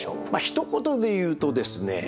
ひと言で言うとですね